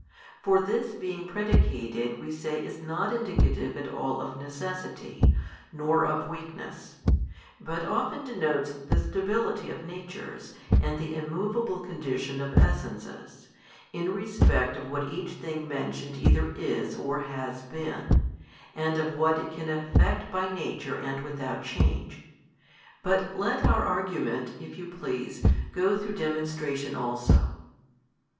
For this being predicated we |253 say is not indicative at all of necessity, nor of weakness; but often denotes the stability of natures and the immoveable condition of essences, in respect of what each thing mentioned either is or has been, and of what it can effect by nature and without change. But let our argument, if you please go through demonstration also.